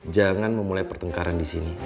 jangan memulai pertengkaran di sini